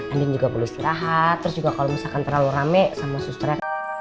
ini juga beristirahat juga kalau misalkan terlalu rame sama sustra